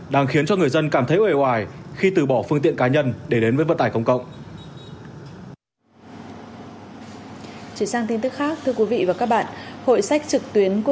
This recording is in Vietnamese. đang khiến cho người dân cảm thấy oai khi từ bỏ phương tiện cá nhân để đến với vận tải công cộng